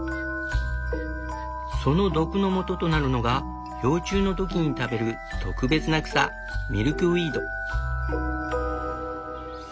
その毒のもととなるのが幼虫の時に食べる特別な草ミルクウィード。